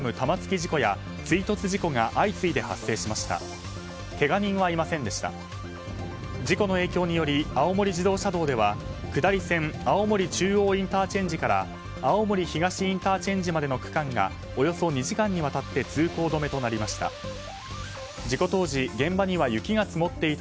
事故の影響により青森自動車道では下り線青森中央ＩＣから青森東ＩＣまでの区間がおよそ２時間にわたって通行止めとなりました。